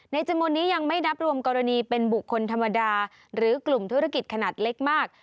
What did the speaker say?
จำนวนนี้ยังไม่นับรวมกรณีเป็นบุคคลธรรมดาหรือกลุ่มธุรกิจขนาดเล็กมาก